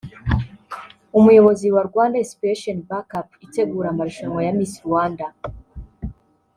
umuyobozi wa Rwanda Inspiration Back Up itegura amarushanwa ya Miss Rwanda